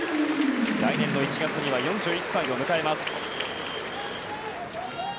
来年１月には４１歳を迎えます。